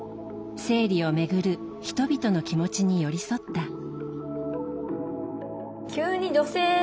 生理を巡る人々の気持ちに寄り添った。